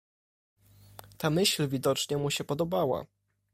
"Ta myśl widocznie mu się podobała."